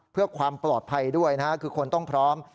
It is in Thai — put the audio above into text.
เพื่อความปลอดภัยด้วยนะฮะคือคนต้องพร้อม